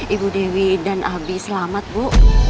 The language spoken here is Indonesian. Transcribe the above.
ibu dewi dan albi selamat bu